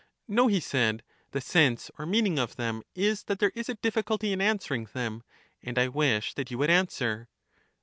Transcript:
No, he said; the sense or meaning of them is that there is a difficulty in answering them; and I wish that you would answer.